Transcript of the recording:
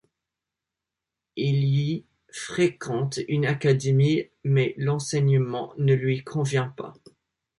Il y fréquente une académie mais l'enseignement ne lui convient pas.